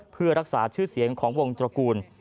เพื่อรักษาชื่อเสียงของวงตระกูล